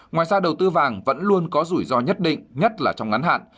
ngoài ra đầu tư vàng vẫn luôn có rủi ro nhất định nhất là trong ngắn hạn